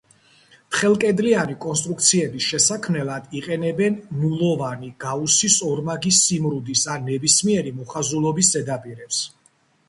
თხელკედლიანი კონსტრუქციების შესაქმნელად იყენებენ ნულოვანი, გაუსის ორმაგი სიმრუდის ან ნებისმიერი მოხაზულობის ზედაპირებს.